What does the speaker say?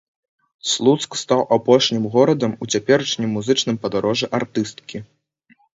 Слуцк стаў апошнім горадам у цяперашнім музычным падарожжы артысткі.